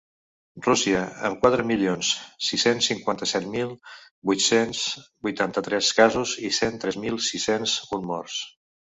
Rússia, amb quatre milions sis-cents cinquanta-set mil vuit-cents vuitanta-tres casos i cent tres mil sis-cents un morts.